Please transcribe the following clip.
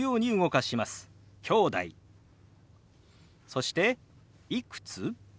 そして「いくつ？」。